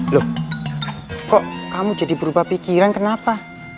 loh kok kamu jadi berubah pikiran kenapa